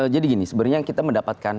jadi gini sebenarnya kita mendapatkan